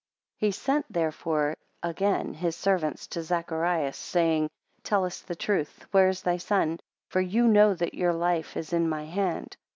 12 He sent therefore again his servants to Zacharias, saying, Tell us the truth, where is thy son, for you know that your life is in my hand.